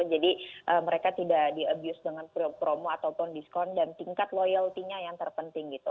jadi mereka tidak di abuse dengan promo ataupun diskon dan tingkat loyalty nya yang terpenting gitu